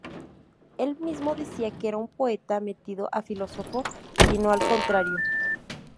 Él mismo decía que era un poeta metido a filósofo, y no al contrario.